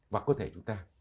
và có thể chúng ta